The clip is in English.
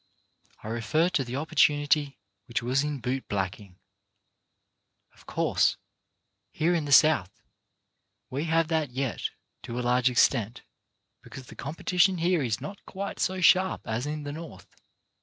I refer to the opportunity which was in boot blacking. Of course, here in the South, we have that yet, to a large extent, because the competition here is not quite so sharp as in the North.